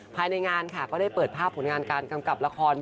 ภายในงานค่ะก็ได้เปิดภาพผลงานการกำกับละคร